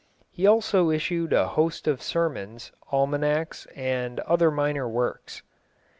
He also issued a host of sermons, almanacs, and other minor works.